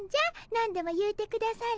何でも言うてくだされ。